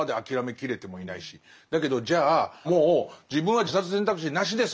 だけどじゃあもう自分は自殺選択肢なしです。